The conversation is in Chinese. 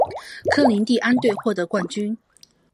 科林蒂安队获得冠军。